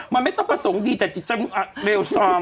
มันไม่ต้องมาส่งดีแต่จิตเจ้าเลวซอม